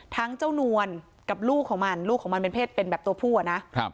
เจ้านวลกับลูกของมันลูกของมันเป็นเพศเป็นแบบตัวผู้อะนะ